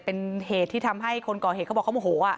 เป็นเหตุที่ทำให้คนก่อเหตุเขาบอกเขาโมโห